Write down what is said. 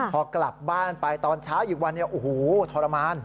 พอกลับบ้านไปตอนเช้าอีกวันเนี่ยโอ้โหทรมาน